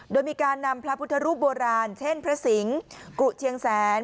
โดยมีการนำพระพุทธรูปโบราณเช่นพระสิงศ์กุเชียงแสน